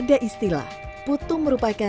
dan setelahatici muzik